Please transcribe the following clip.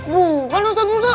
bukan ustaz musa